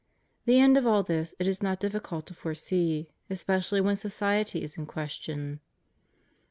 The end of all this it is not difficult to foresee, especially when society is in question.